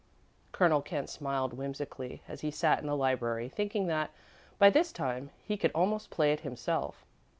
Colonel Kent smiled whimsically as he sat in the library, thinking that, by this time, he could almost play it himself.